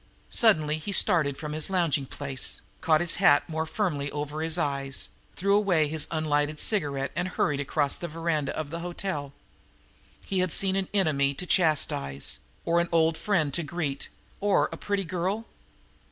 Suddenly he started from his lounging place, caught his hat more firmly over his eyes, threw away his unlighted cigarette and hurried across the veranda of the hotel. Had he seen an enemy to chastise, or an old friend to greet, or a pretty girl?